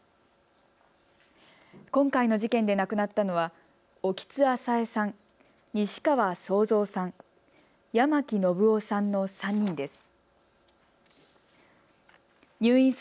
今回の事件で亡くなったのは興津朝江さん、西川惣藏さん、八巻信雄さんの３人です。